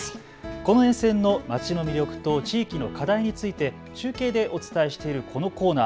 この沿線の街の魅力と地域の課題についてお伝えしているこのコーナー。